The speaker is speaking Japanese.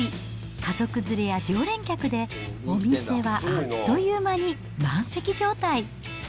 家族連れや常連客でお店はあっという間に満席状態。